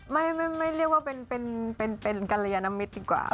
ไม่เรียกว่าเป็นกรยานมิตรดีกว่า